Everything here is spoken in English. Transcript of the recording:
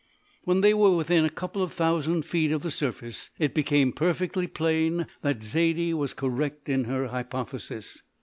When they were within about a couple of thousand feet of the surface it became perfectly plain that Zaidie was correct in her hypothesis.